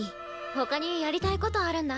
他にやりたいことあるんだ。